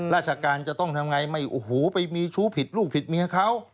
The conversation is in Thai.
ราชการจะต้องทำอย่างไรไม่โอ้โหไปมีชู้ผิดลูกผิดเมียเขา